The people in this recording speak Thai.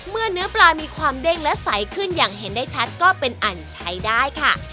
เนื้อปลามีความเด้งและใสขึ้นอย่างเห็นได้ชัดก็เป็นอันใช้ได้ค่ะ